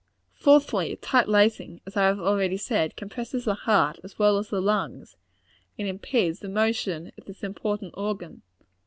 Fourthly tight lacing, as I have already said, compresses the heart as well as the lungs, and impedes the motion of this important organ.